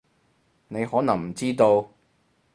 你可能唔知道